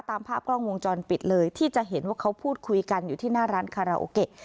ตามภาพกล้องวงจรปิดเลยที่จะเห็นว่าเขาพูดคุยกันอยู่ที่หน้าร้านคาราโอเกะ